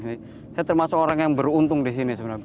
saya termasuk orang yang beruntung di sini sebenarnya